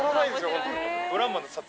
ホントに。